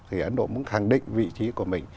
thì ấn độ muốn khẳng định vị trí của mình